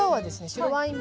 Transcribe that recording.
白ワイン